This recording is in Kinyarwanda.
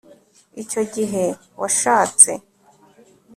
icyo gihe washatse